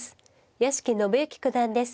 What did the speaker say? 屋敷伸之九段です